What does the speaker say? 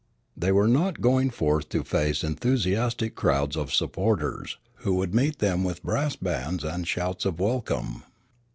They were not going forth to face enthusiastic crowds of supporters, who would meet them with brass bands and shouts of welcome.